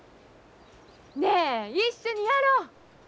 ねえ一緒にやろう！